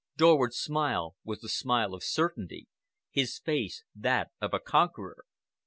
Dorward's smile was the smile of certainty, his face that of a conqueror.